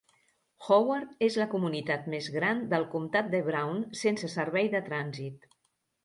Howard és la comunitat més gran del comtat de Brown sense servei de trànsit.